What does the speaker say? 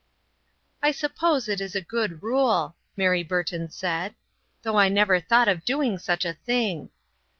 " I suppose it is a good rule," Mary Burton said, "though I never thought of doing such a thing.